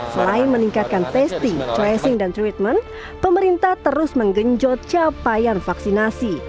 selain meningkatkan testing tracing dan treatment pemerintah terus menggenjot capaian vaksinasi